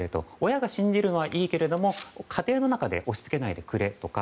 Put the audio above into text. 親が信じるのはいいけれども家庭の中で押し付けないでくれとか